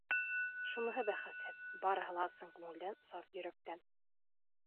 Шуныһы бәхәсһеҙ: барыһы ла ысын күңелдән, саф йөрәктән.